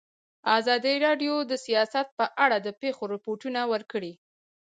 ازادي راډیو د سیاست په اړه د پېښو رپوټونه ورکړي.